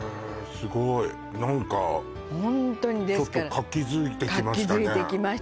すごい何かホントにですからちょっと活気づいてきました